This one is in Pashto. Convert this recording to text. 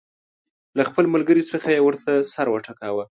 له خپل ملګري څخه یې ورته سر وټکاوه.